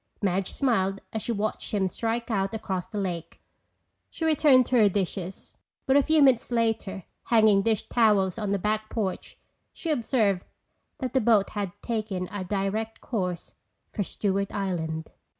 Madge smiled as she watched him strike out across the lake. She returned to her dishes, but a few minutes later, hanging dish towels on the back porch, she observed that the boat had taken a direct course for Stewart Island.